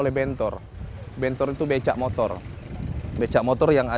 oleh mem bidang